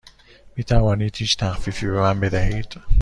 می توانید هیچ تخفیفی به من بدهید؟